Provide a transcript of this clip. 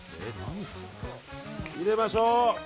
入れましょう。